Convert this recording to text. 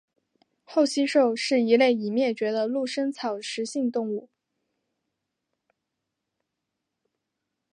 厚膝兽是一类已灭绝的陆生草食性动物。